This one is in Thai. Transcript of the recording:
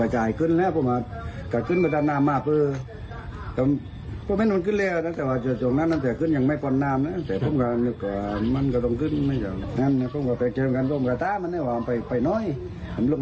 เจอแผ้งตาจักรเข้ายังบอกว่าเขานิ่งแก้งแหม่นกระโปรดเง่อ